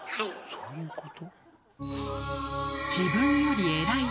そういうこと？